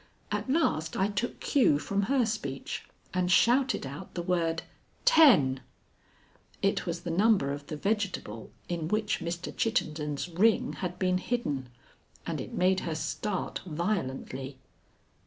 At last I took cue from her speech, and shouted out the word ten. It was the number of the vegetable in which Mr. Chittenden's ring had been hidden, and it made her start violently.